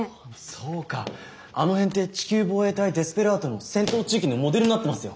そうかあの辺って「地球防衛隊デスペラード」の戦闘地域のモデルになってますよ。